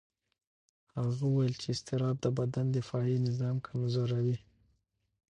هغه وویل چې اضطراب د بدن دفاعي نظام کمزوي.